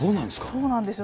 そうなんですよ。